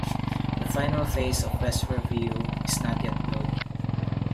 The final phase of Vesper view is not yet built.